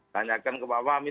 tanyakan ke pak mami